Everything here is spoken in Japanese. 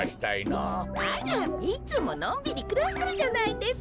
あらっいつものんびりくらしてるじゃないですか。